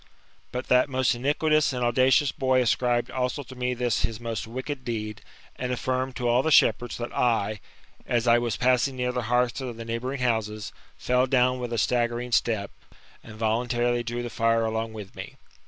But thlit most iniquitous and audacious boy ascribed also to me this his most wicked deed ; and affirmed to all the shepherds, that I, as I was passing near the hearths of the neighbouring houses, fell down with a staggering step, and voluntarily drew the fire along with me.